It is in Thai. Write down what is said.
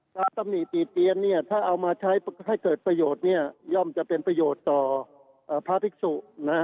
ตำหนิติเตียนเนี่ยถ้าเอามาใช้ให้เกิดประโยชน์เนี่ยย่อมจะเป็นประโยชน์ต่อพระภิกษุนะฮะ